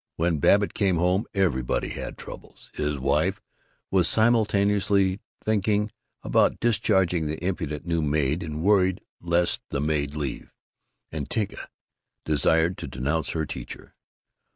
When Babbitt came home, everybody had Troubles: his wife was simultaneously thinking about discharging the impudent new maid, and worried lest the maid leave; and Tinka desired to denounce her teacher.